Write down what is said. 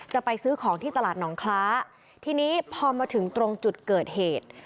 จะไปซื้อของที่ตลาดหนองคล้าทีนี้พอมาถึงตรงจุดเกิดเหตุ